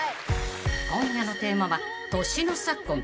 ［今夜のテーマは年の差婚］